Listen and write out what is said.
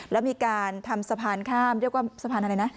แล้วมีการทำสะพานข้ามเรียกว่าสะพานอะไรนะ